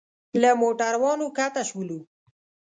له موټرانو ښکته شولو.